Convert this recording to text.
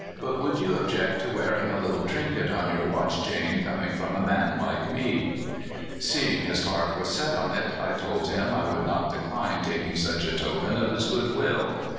But would you object to wear ing a little trinket on your watch chain, coming from a man like me ?" Seeing his heart was set on it, I told him I would not decline taking such a token of his good will.